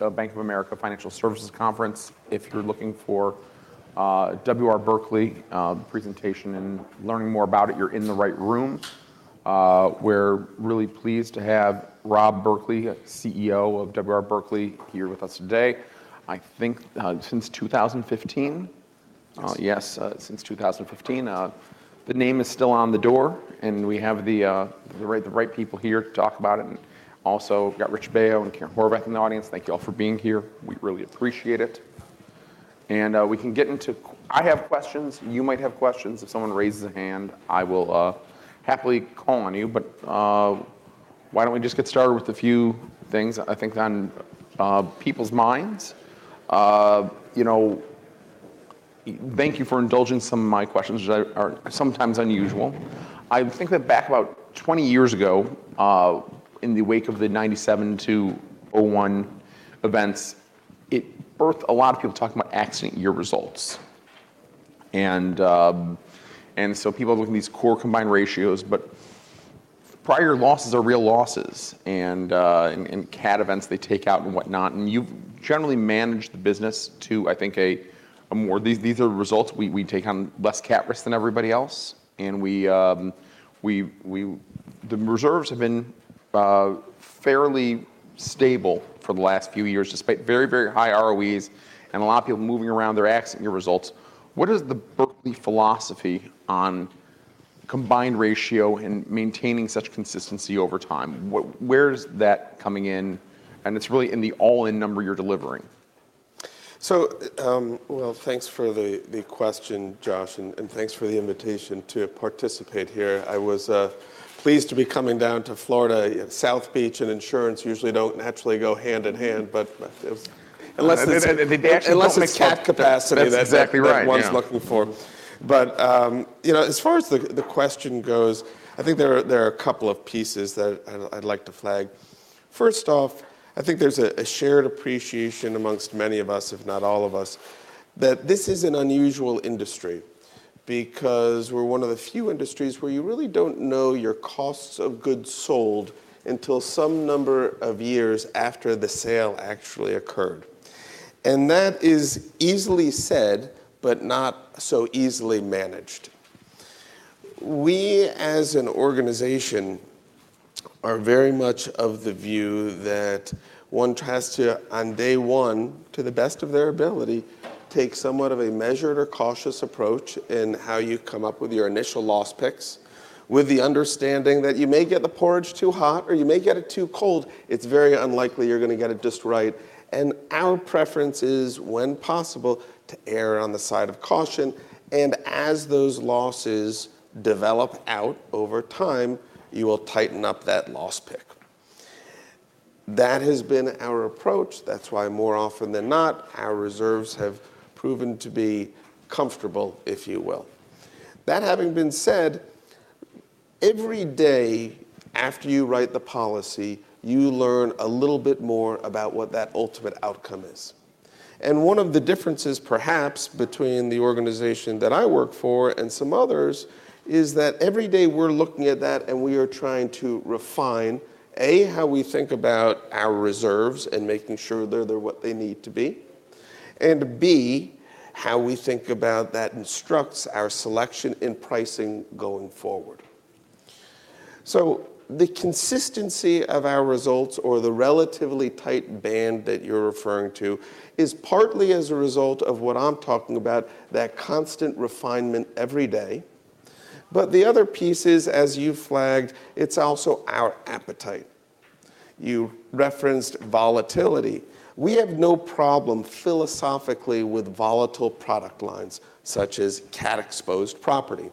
The Bank of America Financial Services Conference. If you're looking for W. R. Berkley presentation and learning more about it, you're in the right room. We're really pleased to have Robert Berkley, CEO of W. R. Berkley, here with us today. I think since 2015, yes, since 2015, the name is still on the door, and we have the right people here to talk about it. And also we've got Rich Baio and Karen Horvath in the audience. Thank you all for being here. We really appreciate it. And we can get into I have questions. You might have questions. If someone raises a hand, I will happily call on you. But why don't we just get started with a few things I think on people's minds? Thank you for indulging some of my questions, which are sometimes unusual. I think that back about 20 years ago, in the wake of the 1997-2001 events, it birthed a lot of people talking about accident year results. So people are looking at these core combined ratios. But prior losses are real losses, and CAT events they take out and whatnot. You've generally managed the business to, I think, a more these are results we take on less CAT risk than everybody else. The reserves have been fairly stable for the last few years, despite very, very high ROEs and a lot of people moving around their accident year results. What is the Berkley philosophy on combined ratio and maintaining such consistency over time? Where is that coming in? It's really in the all-in number you're delivering. So well, thanks for the question, Josh, and thanks for the invitation to participate here. I was pleased to be coming down to Florida. South Beach and insurance usually don't naturally go hand in hand, but it was. Unless it's from a CAT capacity. That's exactly right. That's what one's looking for. But as far as the question goes, I think there are a couple of pieces that I'd like to flag. First off, I think there's a shared appreciation amongst many of us, if not all of us, that this is an unusual industry because we're one of the few industries where you really don't know your costs of goods sold until some number of years after the sale actually occurred. And that is easily said but not so easily managed. We, as an organization, are very much of the view that one has to, on day one, to the best of their ability, take somewhat of a measured or cautious approach in how you come up with your initial loss picks, with the understanding that you may get the porridge too hot or you may get it too cold. It's very unlikely you're going to get it just right. Our preference is, when possible, to err on the side of caution. As those losses develop out over time, you will tighten up that loss pick. That has been our approach. That's why, more often than not, our reserves have proven to be comfortable, if you will. That having been said, every day after you write the policy, you learn a little bit more about what that ultimate outcome is. One of the differences, perhaps, between the organization that I work for and some others is that every day we're looking at that, and we are trying to refine, A, how we think about our reserves and making sure they're what they need to be, and B, how we think about that instructs our selection in pricing going forward. So the consistency of our results, or the relatively tight band that you're referring to, is partly as a result of what I'm talking about, that constant refinement every day. But the other piece is, as you flagged, it's also our appetite. You referenced volatility. We have no problem philosophically with volatile product lines, such as CAT-exposed property.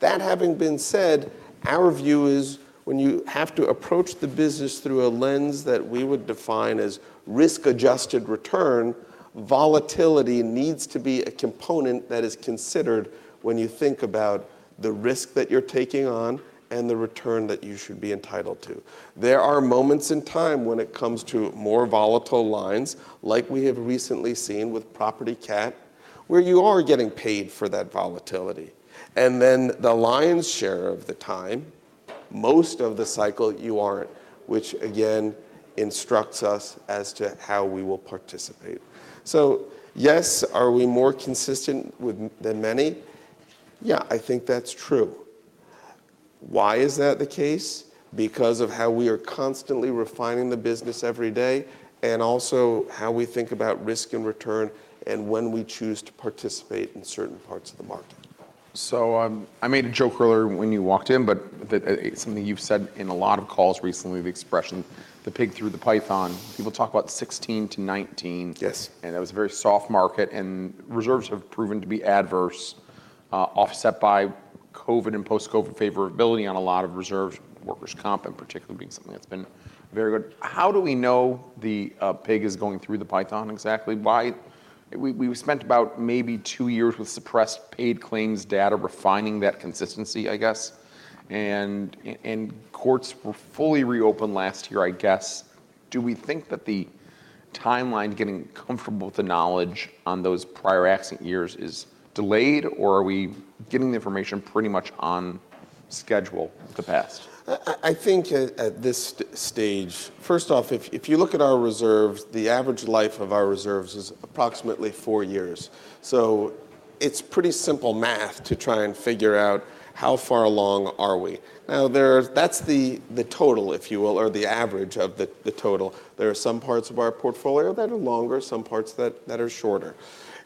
That having been said, our view is, when you have to approach the business through a lens that we would define as risk-adjusted return, volatility needs to be a component that is considered when you think about the risk that you're taking on and the return that you should be entitled to. There are moments in time when it comes to more volatile lines, like we have recently seen with property CAT, where you are getting paid for that volatility. And then the lion's share of the time, most of the cycle, you aren't, which, again, instructs us as to how we will participate. So yes, are we more consistent than many? Yeah, I think that's true. Why is that the case? Because of how we are constantly refining the business every day and also how we think about risk and return and when we choose to participate in certain parts of the market. So I made a joke earlier when you walked in, but something you've said in a lot of calls recently, the expression, the pig through the python. People talk about 2016 to 2019. And that was a very soft market. And reserves have proven to be adverse, offset by COVID and post-COVID favorability on a lot of reserves, workers' comp, and particularly being something that's been very good. How do we know the pig is going through the python exactly? We spent about maybe two years with suppressed paid claims data refining that consistency, I guess. Courts were fully reopened last year, I guess. Do we think that the timeline getting comfortable with the knowledge on those prior accident years is delayed, or are we getting the information pretty much on schedule to pass? I think at this stage, first off, if you look at our reserves, the average life of our reserves is approximately four years. So it's pretty simple math to try and figure out how far along are we. Now, that's the total, if you will, or the average of the total. There are some parts of our portfolio that are longer, some parts that are shorter.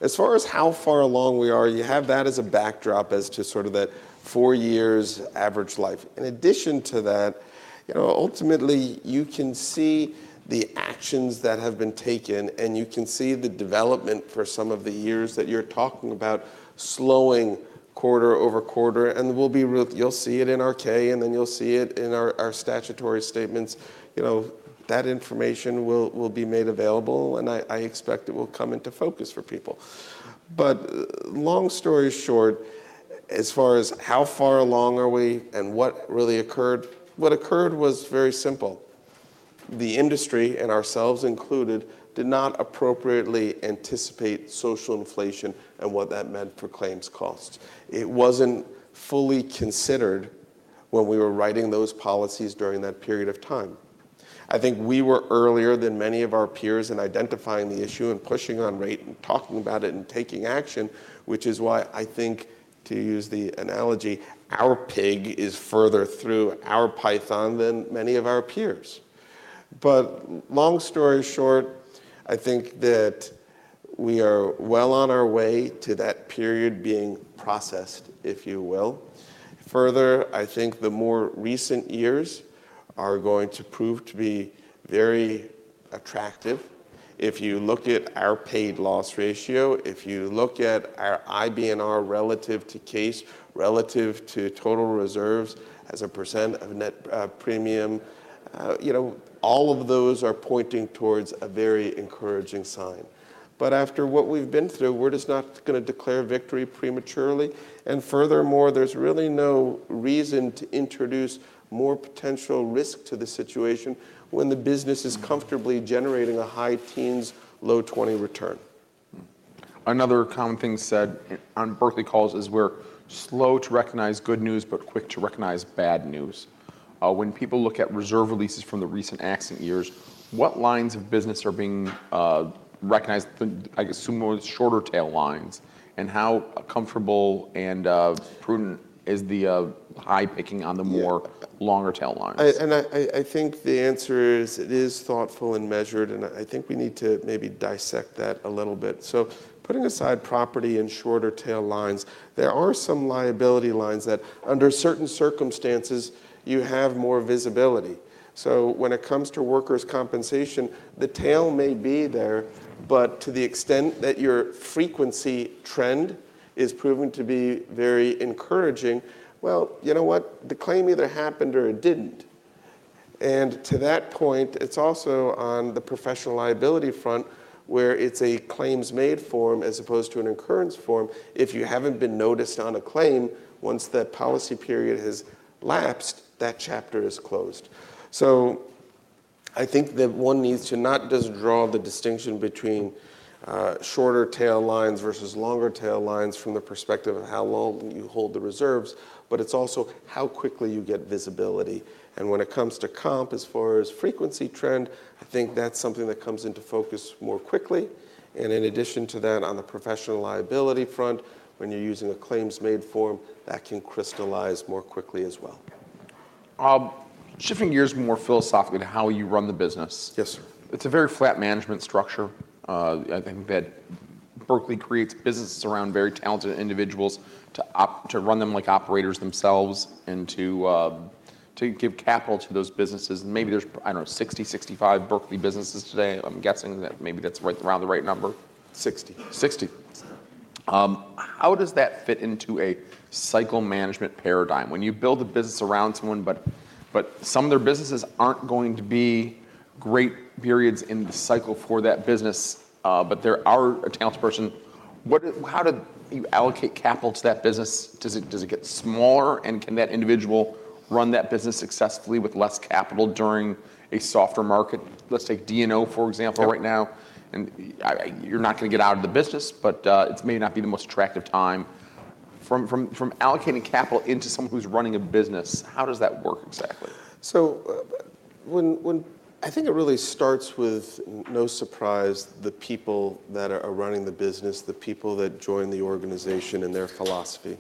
As far as how far along we are, you have that as a backdrop as to sort of that four years average life. In addition to that, ultimately, you can see the actions that have been taken, and you can see the development for some of the years that you're talking about slowing quarter-over-quarter. And you'll see it in our K, and then you'll see it in our statutory statements. That information will be made available, and I expect it will come into focus for people. But long story short, as far as how far along are we and what really occurred, what occurred was very simple. The industry, and ourselves included, did not appropriately anticipate social inflation and what that meant for claims costs. It wasn't fully considered when we were writing those policies during that period of time. I think we were earlier than many of our peers in identifying the issue and pushing on rate and talking about it and taking action, which is why I think, to use the analogy, our pig is further through our python than many of our peers. But long story short, I think that we are well on our way to that period being processed, if you will. Further, I think the more recent years are going to prove to be very attractive. If you look at our paid loss ratio, if you look at our IBNR relative to case, relative to total reserves as a % of net premium, all of those are pointing towards a very encouraging sign. But after what we've been through, we're just not going to declare victory prematurely. And furthermore, there's really no reason to introduce more potential risk to the situation when the business is comfortably generating a high teens, low 20 return. Another common thing said on Berkley calls is we're slow to recognize good news but quick to recognize bad news. When people look at reserve releases from the recent accident years, what lines of business are being recognized, I assume, more shorter tail lines? How comfortable and prudent is the loss pick on the more longer tail lines? I think the answer is it is thoughtful and measured, and I think we need to maybe dissect that a little bit. Putting aside property and shorter tail lines, there are some liability lines that, under certain circumstances, you have more visibility. When it comes to workers' compensation, the tail may be there, but to the extent that your frequency trend is proving to be very encouraging, well, you know what? The claim either happened or it didn't. And to that point, it's also on the professional liability front where it's a claims made form as opposed to an occurrence form. If you haven't been noticed on a claim, once that policy period has lapsed, that chapter is closed. I think that one needs to not just draw the distinction between shorter tail lines versus longer tail lines from the perspective of how long you hold the reserves, but it's also how quickly you get visibility. When it comes to comp, as far as frequency trend, I think that's something that comes into focus more quickly. In addition to that, on the professional liability front, when you're using a claims made form, that can crystallize more quickly as well. Shifting gears more philosophically to how you run the business. Yes, sir. It's a very flat management structure. I think that Berkley creates businesses around very talented individuals to run them like operators themselves and to give capital to those businesses. And maybe there's, I don't know, 60, 65 Berkley businesses today. I'm guessing that maybe that's right around the right number. 60. 60. How does that fit into a cycle management paradigm? When you build a business around someone, but some of their businesses aren't going to be great periods in the cycle for that business, but they're a talented person, how do you allocate capital to that business? Does it get smaller, and can that individual run that business successfully with less capital during a softer market? Let's take D&O, for example, right now. You're not going to get out of the business, but it may not be the most attractive time. From allocating capital into someone who's running a business, how does that work exactly? So I think it really starts with, no surprise, the people that are running the business, the people that join the organization and their philosophy.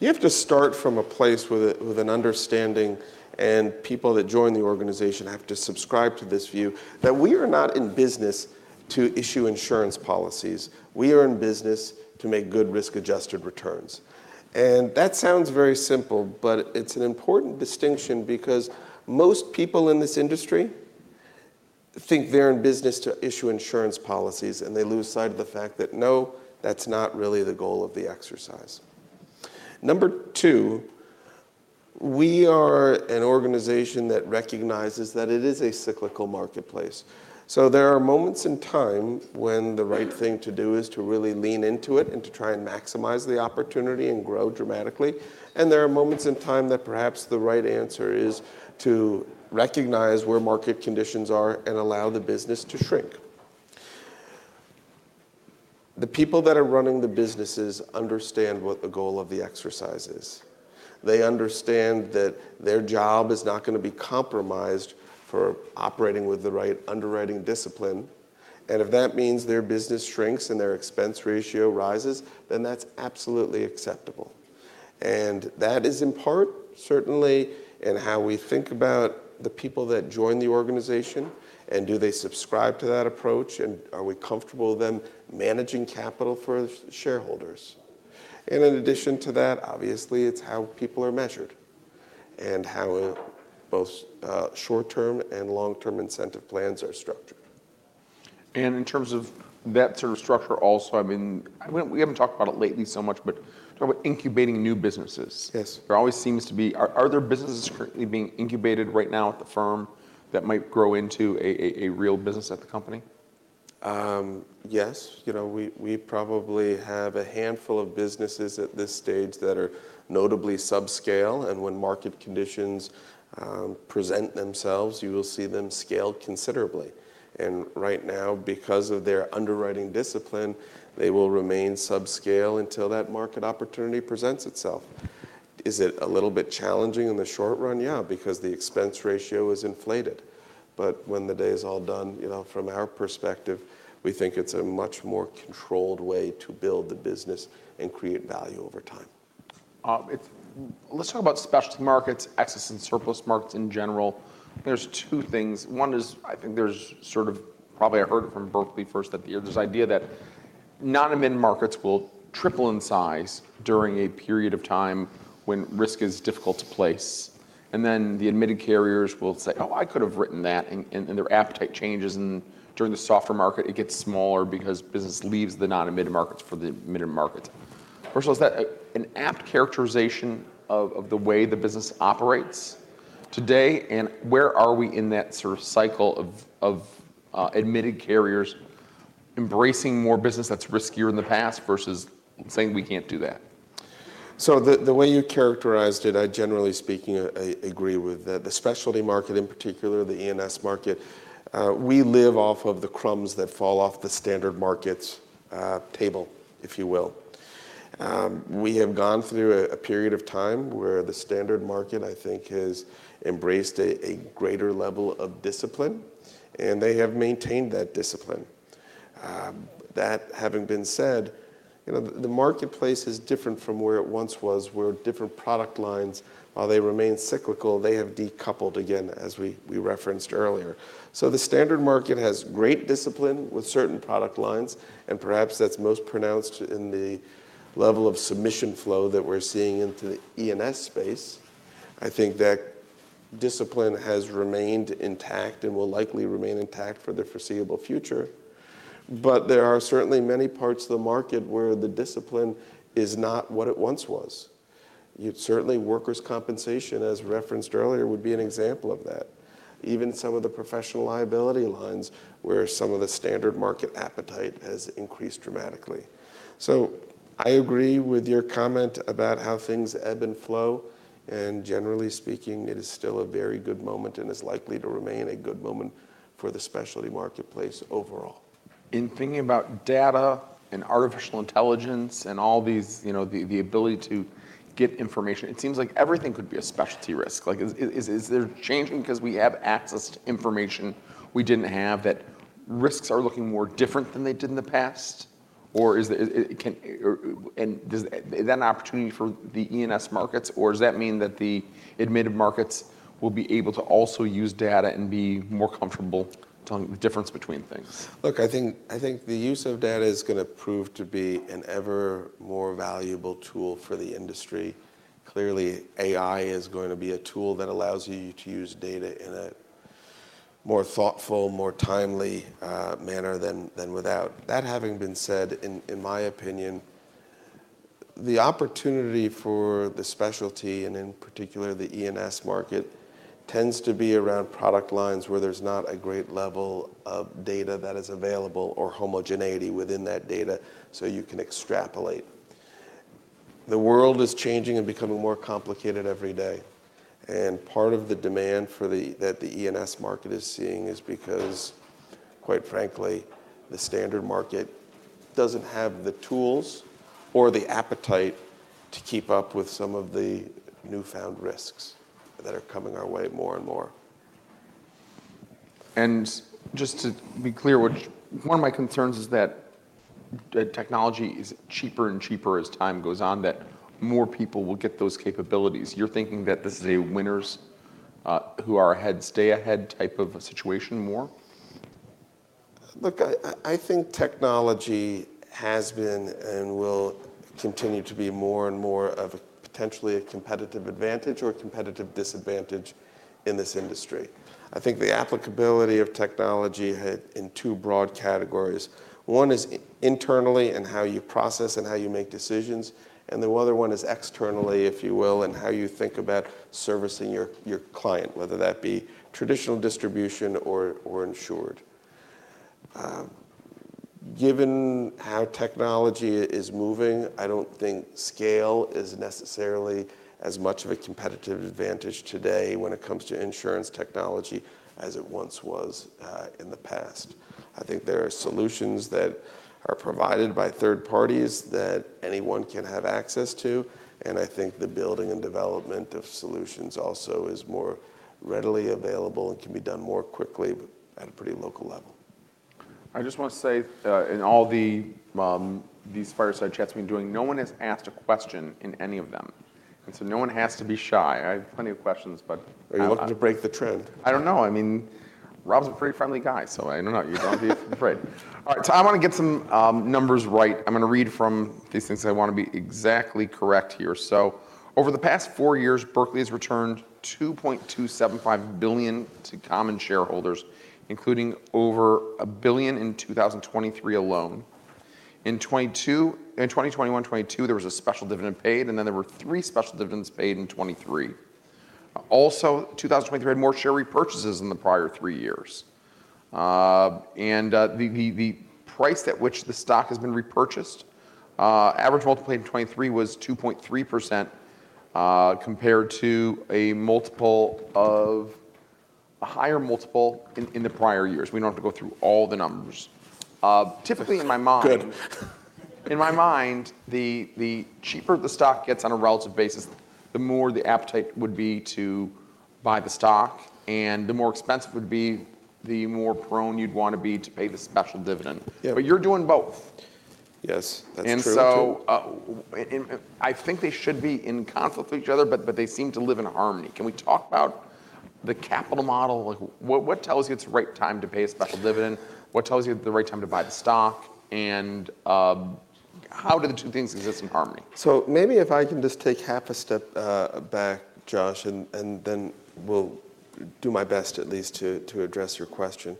You have to start from a place with an understanding, and people that join the organization have to subscribe to this view, that we are not in business to issue insurance policies. We are in business to make good risk-adjusted returns. And that sounds very simple, but it's an important distinction because most people in this industry think they're in business to issue insurance policies, and they lose sight of the fact that, no, that's not really the goal of the exercise. Number two, we are an organization that recognizes that it is a cyclical marketplace. So there are moments in time when the right thing to do is to really lean into it and to try and maximize the opportunity and grow dramatically. There are moments in time that perhaps the right answer is to recognize where market conditions are and allow the business to shrink. The people that are running the businesses understand what the goal of the exercise is. They understand that their job is not going to be compromised for operating with the right underwriting discipline. If that means their business shrinks and their expense ratio rises, then that's absolutely acceptable. That is in part, certainly, in how we think about the people that join the organization. Do they subscribe to that approach, and are we comfortable them managing capital for shareholders? In addition to that, obviously, it's how people are measured and how both short-term and long-term incentive plans are structured. In terms of that sort of structure also, I mean, we haven't talked about it lately so much, but talk about incubating new businesses. There always seems to be businesses currently being incubated right now at the firm that might grow into a real business at the company? Yes. We probably have a handful of businesses at this stage that are notably subscale. And when market conditions present themselves, you will see them scale considerably. And right now, because of their underwriting discipline, they will remain subscale until that market opportunity presents itself. Is it a little bit challenging in the short run? Yeah, because the expense ratio is inflated. But when the day is all done, from our perspective, we think it's a much more controlled way to build the business and create value over time. Let's talk about specialty markets, excess and surplus markets in general. There's two things. One is, I think there's sort of probably heard it from Berkley first at the earliest, this idea that non-admitted markets will triple in size during a period of time when risk is difficult to place. And then the admitted carriers will say, oh, I could have written that. And their appetite changes. And during the softer market, it gets smaller because business leaves the non-admitted markets for the admitted markets. Marshall, is that an apt characterization of the way the business operates today? And where are we in that sort of cycle of admitted carriers embracing more business that's riskier in the past versus saying, we can't do that? So the way you characterized it, I generally speaking agree with that. The specialty market in particular, the E&S market, we live off of the crumbs that fall off the standard markets table, if you will. We have gone through a period of time where the standard market, I think, has embraced a greater level of discipline, and they have maintained that discipline. That having been said, the marketplace is different from where it once was, where different product lines, while they remain cyclical, they have decoupled again, as we referenced earlier. So the standard market has great discipline with certain product lines. And perhaps that's most pronounced in the level of submission flow that we're seeing into the E&S space. I think that discipline has remained intact and will likely remain intact for the foreseeable future. But there are certainly many parts of the market where the discipline is not what it once was. Certainly, workers' compensation, as referenced earlier, would be an example of that, even some of the professional liability lines where some of the standard market appetite has increased dramatically. So I agree with your comment about how things ebb and flow. And generally speaking, it is still a very good moment and is likely to remain a good moment for the specialty marketplace overall. In thinking about data and artificial intelligence and all these, the ability to get information, it seems like everything could be a specialty risk. Is there changing because we have access to information we didn't have that risks are looking more different than they did in the past? And is that an opportunity for the E&S markets, or does that mean that the admitted markets will be able to also use data and be more comfortable telling the difference between things? Look, I think the use of data is going to prove to be an ever more valuable tool for the industry. Clearly, AI is going to be a tool that allows you to use data in a more thoughtful, more timely manner than without. That having been said, in my opinion, the opportunity for the specialty and in particular the E&S market tends to be around product lines where there's not a great level of data that is available or homogeneity within that data so you can extrapolate. The world is changing and becoming more complicated every day. Part of the demand that the E&S market is seeing is because, quite frankly, the standard market doesn't have the tools or the appetite to keep up with some of the newfound risks that are coming our way more and more. Just to be clear, one of my concerns is that technology is cheaper and cheaper as time goes on, that more people will get those capabilities. You're thinking that this is a winners who are ahead, stay ahead type of a situation more? Look, I think technology has been and will continue to be more and more of potentially a competitive advantage or a competitive disadvantage in this industry. I think the applicability of technology in two broad categories. One is internally and how you process and how you make decisions. The other one is externally, if you will, and how you think about servicing your client, whether that be traditional distribution or insured. Given how technology is moving, I don't think scale is necessarily as much of a competitive advantage today when it comes to insurance technology as it once was in the past. I think there are solutions that are provided by third parties that anyone can have access to. I think the building and development of solutions also is more readily available and can be done more quickly at a pretty local level. I just want to say, in all these fireside chats we've been doing, no one has asked a question in any of them. So no one has to be shy. I have plenty of questions, but. Are you looking to break the trend? I don't know. I mean, Robert's a pretty friendly guy, so I don't know. You don't have to be afraid. All right, so I want to get some numbers right. I'm going to read from these things. I want to be exactly correct here. So over the past four years, Berkley has returned $2.275 billion to common shareholders, including over $1 billion in 2023 alone. In 2021, 2022, there was a special dividend paid, and then there were three special dividends paid in 2023. Also, 2023 had more share repurchases than the prior three years. And the price at which the stock has been repurchased, average multiple in 2023 was 2.3% compared to a higher multiple in the prior years. We don't have to go through all the numbers. Typically, in my mind. Good. In my mind, the cheaper the stock gets on a relative basis, the more the appetite would be to buy the stock. The more expensive it would be, the more prone you'd want to be to pay the special dividend. You're doing both. Yes, that's true. And so I think they should be in conflict with each other, but they seem to live in harmony. Can we talk about the capital model? What tells you it's the right time to pay a special dividend? What tells you the right time to buy the stock? And how do the two things exist in harmony? So maybe if I can just take half a step back, Josh, and then we'll do my best at least to address your question.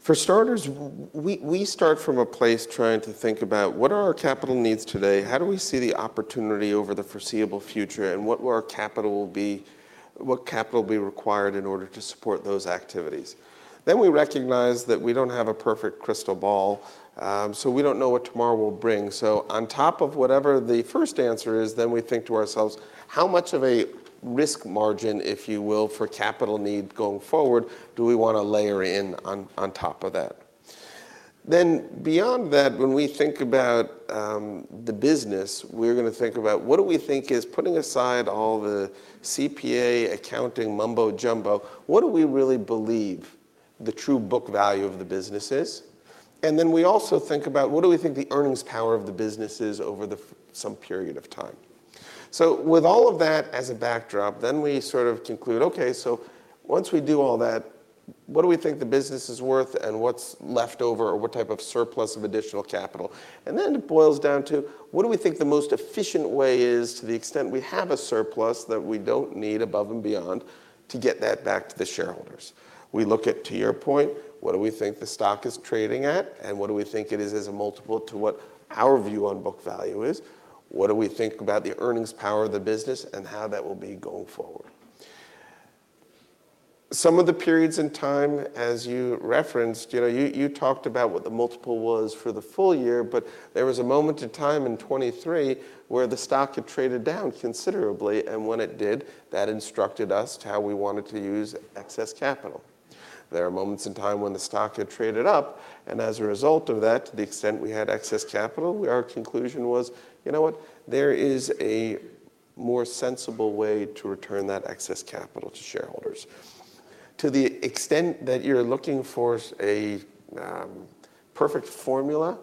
For starters, we start from a place trying to think about what are our capital needs today? How do we see the opportunity over the foreseeable future? And what will our capital be required in order to support those activities? Then we recognize that we don't have a perfect crystal ball, so we don't know what tomorrow will bring. So on top of whatever the first answer is, then we think to ourselves, how much of a risk margin, if you will, for capital need going forward do we want to layer in on top of that? Then beyond that, when we think about the business, we're going to think about what do we think is putting aside all the CPA, accounting, mumbo jumbo, what do we really believe the true book value of the business is? And then we also think about what do we think the earnings power of the business is over some period of time? So with all of that as a backdrop, then we sort of conclude, OK, so once we do all that, what do we think the business is worth and what's left over or what type of surplus of additional capital? And then it boils down to what do we think the most efficient way is, to the extent we have a surplus that we don't need above and beyond, to get that back to the shareholders? We look at, to your point, what do we think the stock is trading at? And what do we think it is as a multiple to what our view on book value is? What do we think about the earnings power of the business and how that will be going forward? Some of the periods in time, as you referenced, you talked about what the multiple was for the full year. But there was a moment in time in 2023 where the stock had traded down considerably. And when it did, that instructed us to how we wanted to use excess capital. There are moments in time when the stock had traded up. And as a result of that, to the extent we had excess capital, our conclusion was, you know what? There is a more sensible way to return that excess capital to shareholders. To the extent that you're looking for a perfect formula,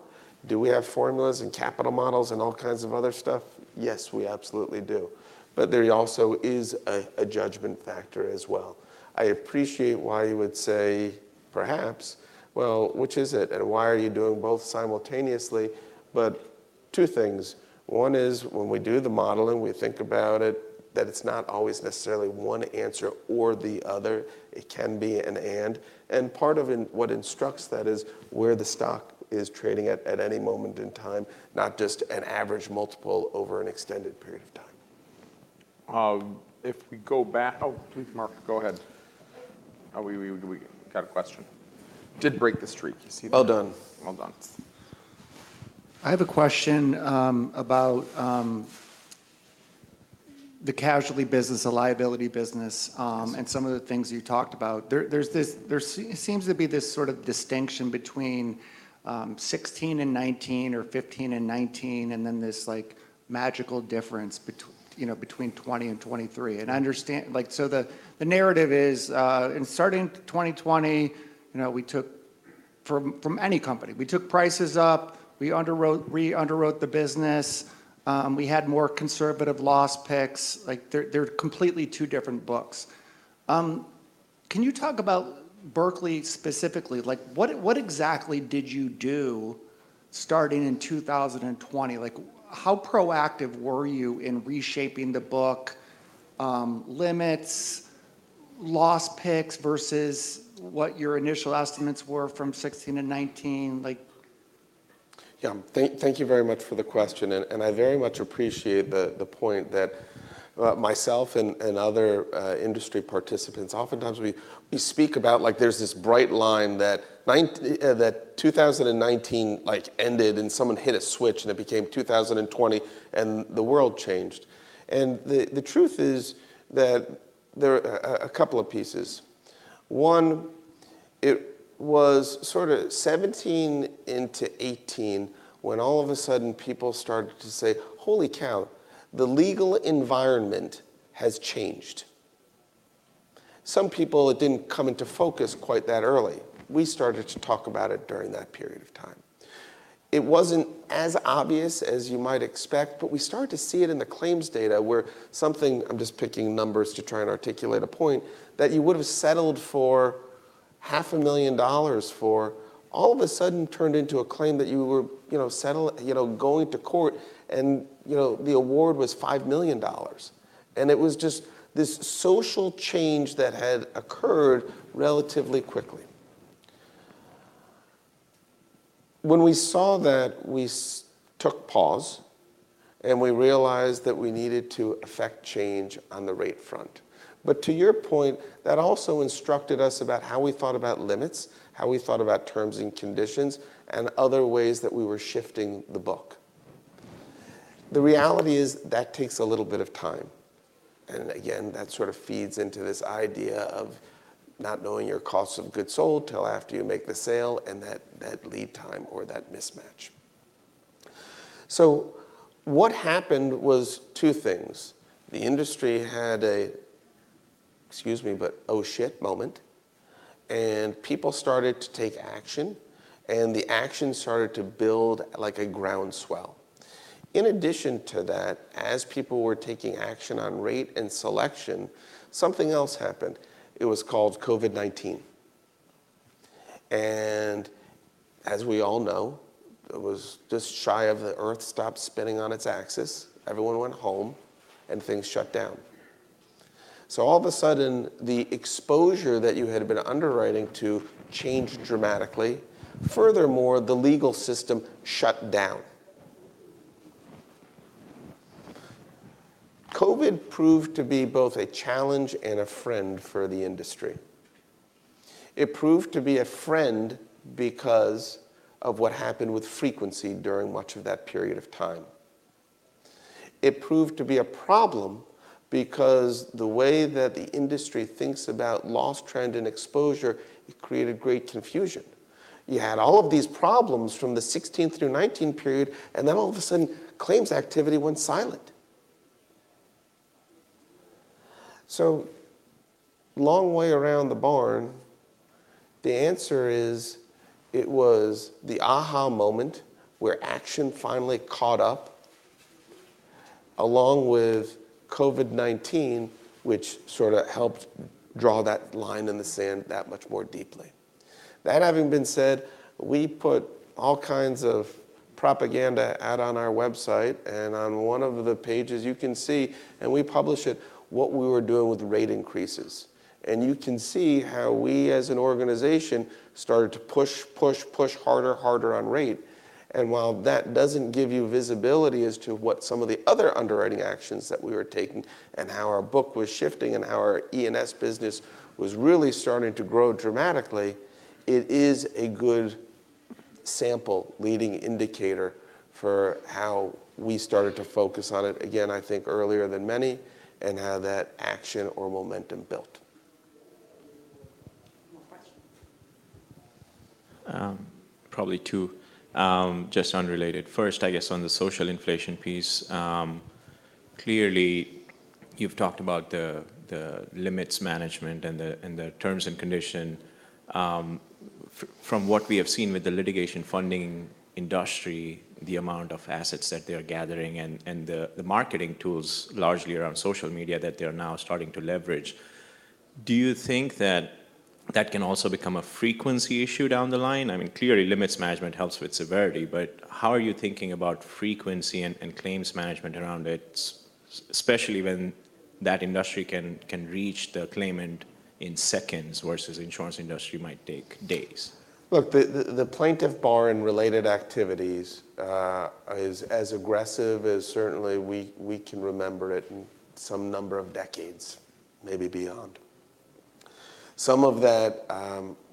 do we have formulas and capital models and all kinds of other stuff? Yes, we absolutely do. But there also is a judgment factor as well. I appreciate why you would say, perhaps, well, which is it? And why are you doing both simultaneously? But two things. One is, when we do the modeling, we think about it that it's not always necessarily one answer or the other. It can be an and. And part of what instructs that is where the stock is trading at any moment in time, not just an average multiple over an extended period of time. If we go back, oh, please, Mark, go ahead. We got a question. Did break the streak. You see that? Well done. Well done. I have a question about the casualty business, the liability business, and some of the things you talked about. There seems to be this sort of distinction between 2016 and 2019 or 2015 and 2019 and then this magical difference between 2020 and 2023. And so the narrative is, in starting 2020, we took from any company, we took prices up, we underwrote the business, we had more conservative loss picks. They're completely two different books. Can you talk about Berkley specifically? What exactly did you do starting in 2020? How proactive were you in reshaping the book limits, loss picks versus what your initial estimates were from 2016 and 2019? Yeah, thank you very much for the question. And I very much appreciate the point that myself and other industry participants, oftentimes we speak about there's this bright line that 2019 ended and someone hit a switch, and it became 2020, and the world changed. And the truth is that there are a couple of pieces. One, it was sort of 2017 into 2018 when all of a sudden people started to say, holy cow, the legal environment has changed. Some people, it didn't come into focus quite that early. We started to talk about it during that period of time. It wasn't as obvious as you might expect, but we started to see it in the claims data where something I'm just picking numbers to try and articulate a point that you would have settled for $500,000 for all of a sudden turned into a claim that you were going to court, and the award was $5 million. It was just this social change that had occurred relatively quickly. When we saw that, we took pause, and we realized that we needed to affect change on the rate front. To your point, that also instructed us about how we thought about limits, how we thought about terms and conditions, and other ways that we were shifting the book. The reality is that takes a little bit of time. And again, that sort of feeds into this idea of not knowing your cost of goods sold till after you make the sale and that lead time or that mismatch. So what happened was two things. The industry had a, excuse me, but oh shit moment. And people started to take action. And the action started to build a groundswell. In addition to that, as people were taking action on rate and selection, something else happened. It was called COVID-19. And as we all know, it was just shy of the earth stopped spinning on its axis. Everyone went home, and things shut down. So all of a sudden, the exposure that you had been underwriting to changed dramatically. Furthermore, the legal system shut down. COVID proved to be both a challenge and a friend for the industry. It proved to be a friend because of what happened with frequency during much of that period of time. It proved to be a problem because the way that the industry thinks about loss trend and exposure, it created great confusion. You had all of these problems from the 2016 through 2019 period, and then all of a sudden, claims activity went silent. So long way around the barn, the answer is it was the aha moment where action finally caught up, along with COVID-19, which sort of helped draw that line in the sand that much more deeply. That having been said, we put all kinds of propaganda out on our website. And on one of the pages, you can see, and we publish it, what we were doing with rate increases. You can see how we, as an organization, started to push, push, push harder, harder on rate. While that doesn't give you visibility as to what some of the other underwriting actions that we were taking and how our book was shifting and how our E&S business was really starting to grow dramatically, it is a good sample leading indicator for how we started to focus on it, again, I think, earlier than many and how that action or momentum built. More questions? Probably two, just unrelated. First, I guess, on the social inflation piece, clearly, you've talked about the limits management and the terms and conditions. From what we have seen with the litigation funding industry, the amount of assets that they are gathering and the marketing tools, largely around social media, that they are now starting to leverage, do you think that that can also become a frequency issue down the line? I mean, clearly, limits management helps with severity. But how are you thinking about frequency and claims management around it, especially when that industry can reach the claimant in seconds versus the insurance industry might take days? Look, the plaintiff bar and related activities is as aggressive as certainly we can remember it in some number of decades, maybe beyond. Some of that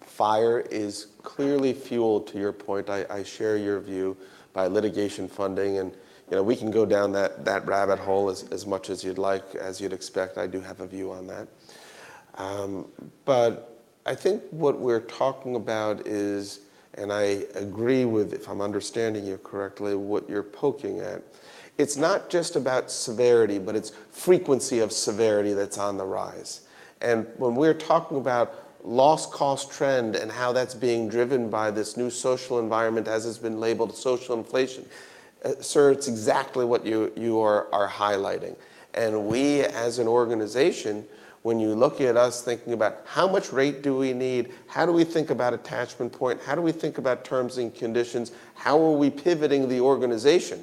fire is clearly fuel, to your point. I share your view by litigation funding. And we can go down that rabbit hole as much as you'd like, as you'd expect. I do have a view on that. But I think what we're talking about is, and I agree with, if I'm understanding you correctly, what you're poking at, it's not just about severity, but it's frequency of severity that's on the rise. And when we're talking about loss cost trend and how that's being driven by this new social environment, as it's been labeled, social inflation, sir, it's exactly what you are highlighting. We, as an organization, when you look at us thinking about how much rate do we need, how do we think about attachment point, how do we think about terms and conditions, how are we pivoting the organization?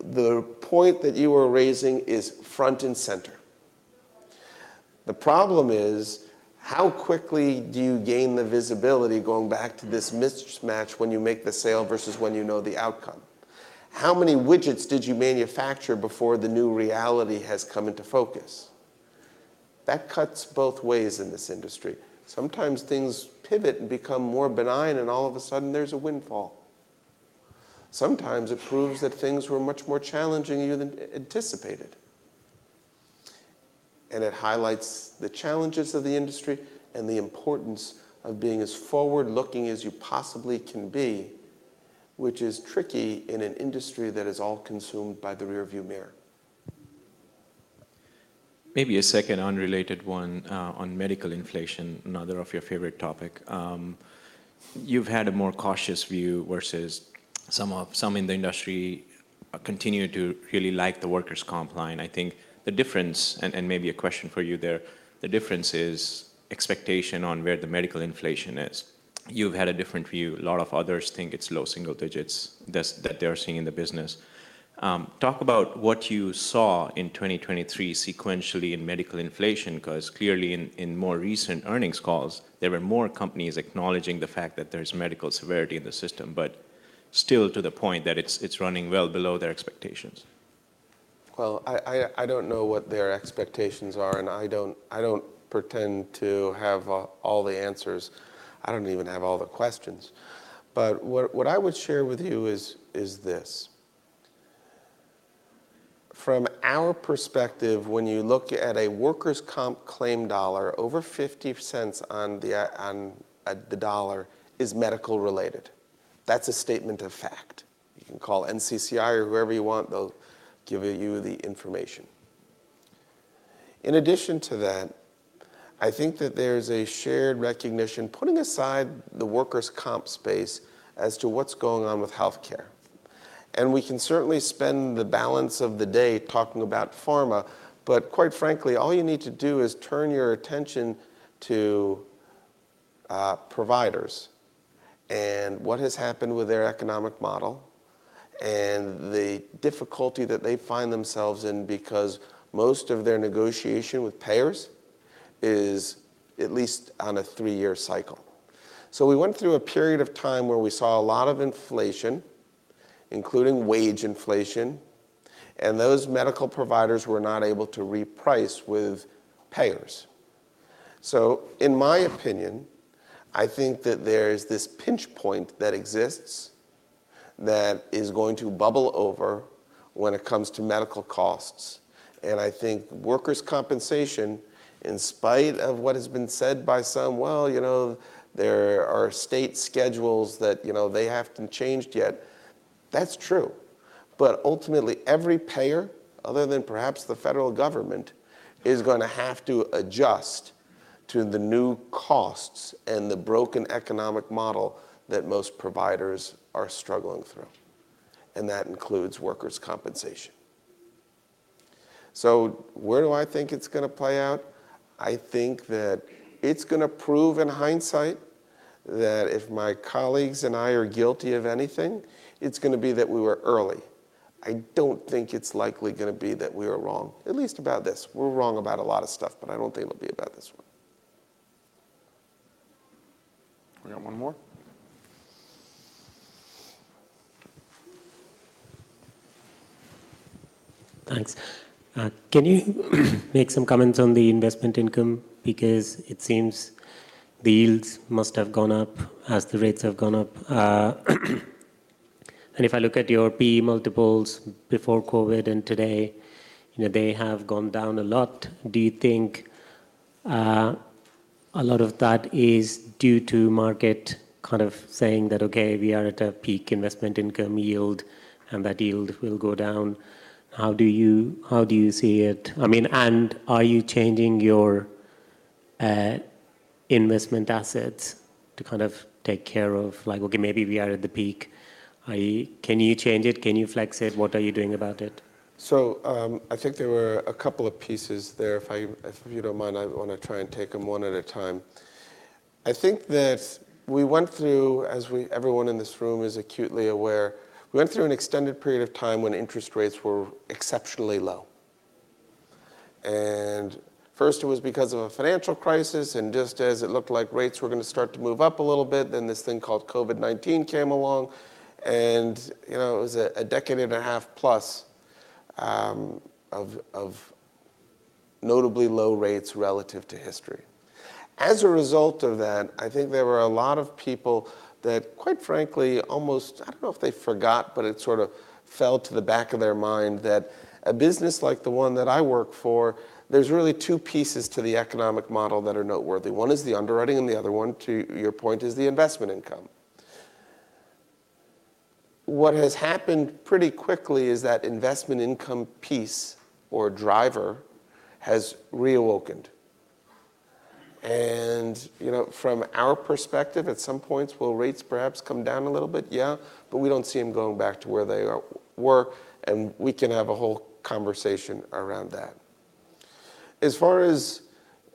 The point that you are raising is front and center. The problem is, how quickly do you gain the visibility going back to this mismatch when you make the sale versus when you know the outcome? How many widgets did you manufacture before the new reality has come into focus? That cuts both ways in this industry. Sometimes things pivot and become more benign, and all of a sudden, there's a windfall. Sometimes it proves that things were much more challenging than you anticipated. It highlights the challenges of the industry and the importance of being as forward-looking as you possibly can be, which is tricky in an industry that is all consumed by the rearview mirror. Maybe a second unrelated one on medical inflation, another of your favorite topics. You've had a more cautious view versus some in the industry continue to really like the workers' comp line. I think the difference and maybe a question for you there. The difference is expectation on where the medical inflation is. You've had a different view. A lot of others think it's low single digits that they're seeing in the business. Talk about what you saw in 2023 sequentially in medical inflation, because clearly, in more recent earnings calls, there were more companies acknowledging the fact that there's medical severity in the system, but still to the point that it's running well below their expectations. Well, I don't know what their expectations are. And I don't pretend to have all the answers. I don't even have all the questions. But what I would share with you is this. From our perspective, when you look at a workers' comp claim dollar, over $0.50 on the dollar is medical related. That's a statement of fact. You can call NCCI or whoever you want. They'll give you the information. In addition to that, I think that there is a shared recognition, putting aside the workers' comp space, as to what's going on with health care. And we can certainly spend the balance of the day talking about pharma. But quite frankly, all you need to do is turn your attention to providers and what has happened with their economic model and the difficulty that they find themselves in because most of their negotiation with payers is at least on a three-year cycle. So we went through a period of time where we saw a lot of inflation, including wage inflation. And those medical providers were not able to reprice with payers. So in my opinion, I think that there is this pinch point that exists that is going to bubble over when it comes to medical costs. And I think workers' compensation, in spite of what has been said by some, well, there are state schedules that they haven't changed yet, that's true. But ultimately, every payer, other than perhaps the federal government, is going to have to adjust to the new costs and the broken economic model that most providers are struggling through. And that includes workers' compensation. So where do I think it's going to play out? I think that it's going to prove in hindsight that if my colleagues and I are guilty of anything, it's going to be that we were early. I don't think it's likely going to be that we are wrong, at least about this. We're wrong about a lot of stuff, but I don't think it'll be about this one. We got one more. Thanks. Can you make some comments on the investment income? Because it seems the yields must have gone up as the rates have gone up. And if I look at your PE multiples before COVID and today, they have gone down a lot. Do you think a lot of that is due to market kind of saying that, OK, we are at a peak investment income yield, and that yield will go down? How do you see it? I mean, and are you changing your investment assets to kind of take care of, OK, maybe we are at the peak? Can you change it? Can you flex it? What are you doing about it? So I think there were a couple of pieces there. If you don't mind, I want to try and take them one at a time. I think that we went through, as everyone in this room is acutely aware, we went through an extended period of time when interest rates were exceptionally low. And first, it was because of a financial crisis. And just as it looked like rates were going to start to move up a little bit, then this thing called COVID-19 came along. And it was a decade and a half plus of notably low rates relative to history. As a result of that, I think there were a lot of people that, quite frankly, almost—I don't know if they forgot—but it sort of fell to the back of their mind that a business like the one that I work for, there's really two pieces to the economic model that are noteworthy. One is the underwriting. And the other one, to your point, is the investment income. What has happened pretty quickly is that investment income piece or driver has reawoken. And from our perspective, at some points, will rates perhaps come down a little bit? Yeah. But we don't see them going back to where they were. And we can have a whole conversation around that. As far as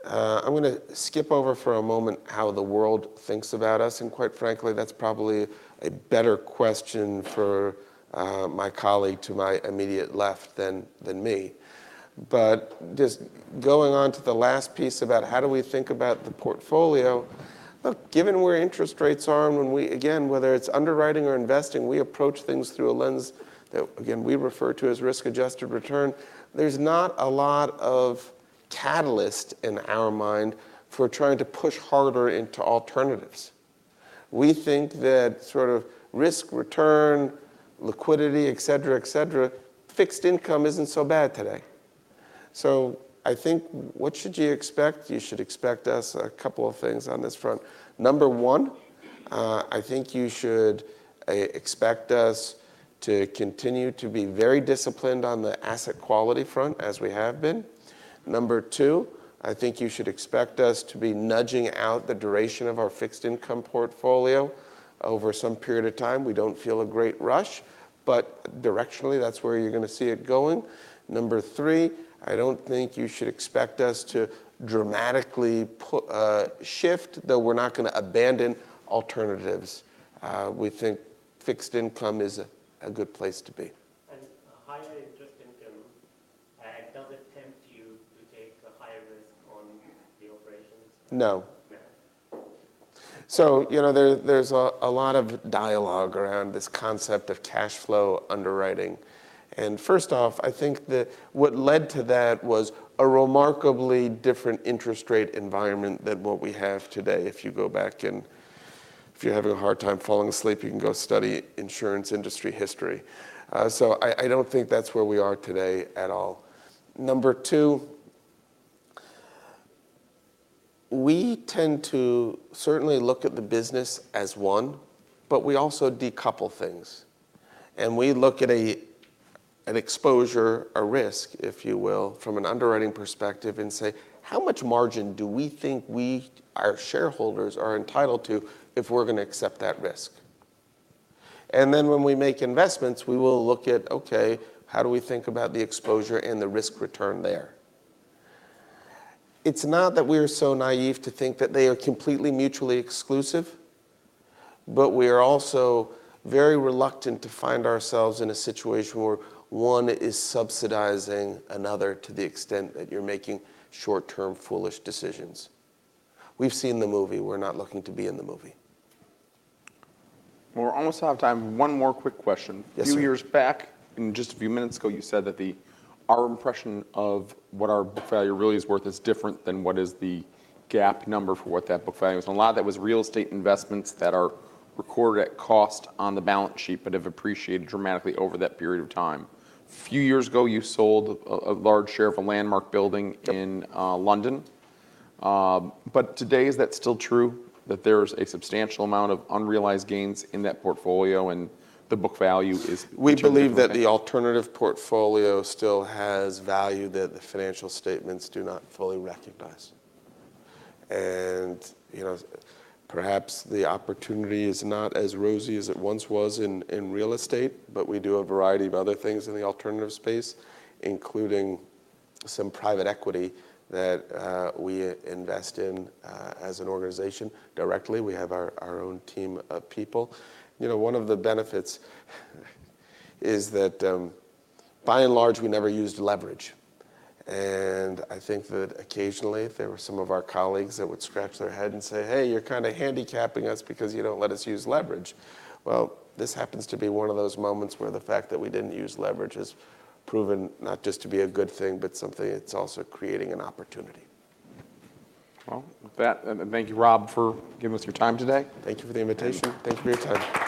I'm going to skip over for a moment how the world thinks about us. Quite frankly, that's probably a better question for my colleague to my immediate left than me. But just going on to the last piece about how do we think about the portfolio, look, given where interest rates are and when we again, whether it's underwriting or investing, we approach things through a lens that, again, we refer to as risk-adjusted return. There's not a lot of catalyst in our mind for trying to push harder into alternatives. We think that sort of risk, return, liquidity, et cetera, et cetera, fixed income isn't so bad today. So I think what should you expect? You should expect us a couple of things on this front. Number one, I think you should expect us to continue to be very disciplined on the asset quality front, as we have been. Number two, I think you should expect us to be nudging out the duration of our fixed income portfolio over some period of time. We don't feel a great rush. But directionally, that's where you're going to see it going. Number three, I don't think you should expect us to dramatically shift, though we're not going to abandon alternatives. We think fixed income is a good place to be. Higher interest income, does it tempt you to take a higher risk on the operations? No. No. So there's a lot of dialogue around this concept of cash flow underwriting. And first off, I think that what led to that was a remarkably different interest rate environment than what we have today. If you go back and if you're having a hard time falling asleep, you can go study insurance industry history. So I don't think that's where we are today at all. Number 2, we tend to certainly look at the business as one, but we also decouple things. And we look at an exposure, a risk, if you will, from an underwriting perspective and say, how much margin do we think we, our shareholders, are entitled to if we're going to accept that risk? And then when we make investments, we will look at, OK, how do we think about the exposure and the risk return there? It's not that we are so naive to think that they are completely mutually exclusive. But we are also very reluctant to find ourselves in a situation where one is subsidizing another to the extent that you're making short-term foolish decisions. We've seen the movie. We're not looking to be in the movie. We're almost out of time. One more quick question. A few years back, and just a few minutes ago, you said that our impression of what our book value really is worth is different than what is the GAAP number for what that book value is. And a lot of that was real estate investments that are recorded at cost on the balance sheet but have appreciated dramatically over that period of time. A few years ago, you sold a large share of a landmark building in London. But today, is that still true, that there's a substantial amount of unrealized gains in that portfolio and the book value is? We believe that the alternative portfolio still has value that the financial statements do not fully recognize. Perhaps the opportunity is not as rosy as it once was in real estate. But we do a variety of other things in the alternative space, including some private equity that we invest in as an organization directly. We have our own team of people. One of the benefits is that, by and large, we never used leverage. And I think that occasionally, if there were some of our colleagues that would scratch their head and say, hey, you're kind of handicapping us because you don't let us use leverage, well, this happens to be one of those moments where the fact that we didn't use leverage has proven not just to be a good thing, but something that's also creating an opportunity. Well, thank you, Robert, for giving us your time today. Thank you for the invitation. Thank you for your time.